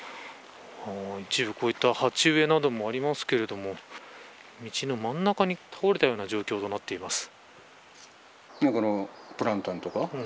一部こういった鉢植えなどもありますけれども道の真ん中に倒れたような状況になっています。